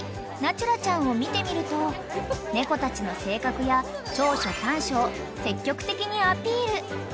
渚美ちゃんを見てみると猫たちの性格や長所短所を積極的にアピール］